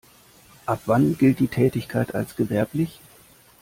Ab wann gilt die Tätigkeit als gewerblich?